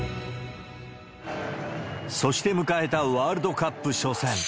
そして迎えたワールドカップ初戦。